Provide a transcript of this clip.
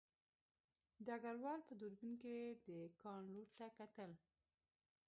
ډګروال په دوربین کې د کان لور ته کتل